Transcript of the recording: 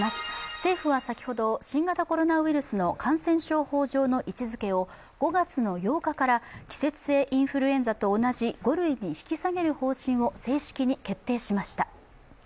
政府は先ほど、新型コロナウイルスの感染症法上の位置づけを５月８日から季節性インフルエンザと同じ５類に引き下げる方針を正式に決定しました。